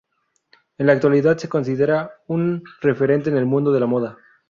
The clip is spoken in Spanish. En la actualidad, se considera un referente en el mundo de la moda.